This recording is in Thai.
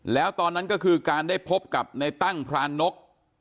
แล้วตอนนั้นก็คือการได้พบกับในตั้งพรานนก